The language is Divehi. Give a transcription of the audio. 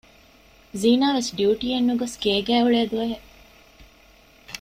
ޒީނާ ވެސް ޑިއުޓީއަށް ނުގޮސް ގޭގައި އުޅޭ ދުވަހެއް